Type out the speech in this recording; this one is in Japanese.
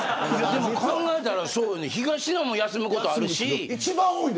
考えたらそうよね東野も休むことあるし。